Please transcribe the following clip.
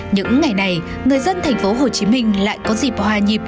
những ngày này người dân thành phố hồ chí minh lại có dịp hòa nhịp